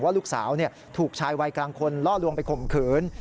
ลูกสาวถูกชายวัยกลางคนล่อลวงไปข่มขืน